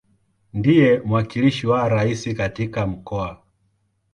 Ndiye mwakilishi wa Rais katika Mkoa.